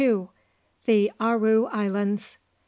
THE ARU ISLANDS.